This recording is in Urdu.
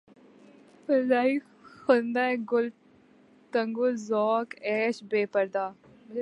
فضائے خندۂ گل تنگ و ذوق عیش بے پردا